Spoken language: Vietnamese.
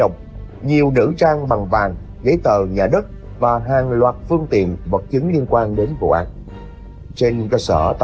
chúng tôi đã chọn cách bắt là bất ngờ